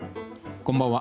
こんばんは。